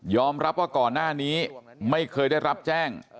รับว่าก่อนหน้านี้ไม่เคยได้รับแจ้ง